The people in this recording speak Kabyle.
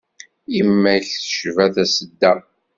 Yemma-k tecba tasedda.